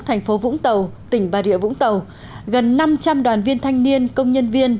thành phố vũng tàu tỉnh bà rịa vũng tàu gần năm trăm linh đoàn viên thanh niên công nhân viên